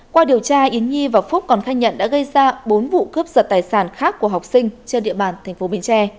qua điều tra yến nhi và phúc còn khai nhận đã gây ra bốn vụ cướp giật tài sản khác của học sinh trên địa bàn tp bến tre